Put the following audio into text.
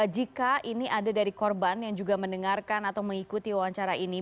jika ini ada dari korban yang juga mendengarkan atau mengikuti wawancara ini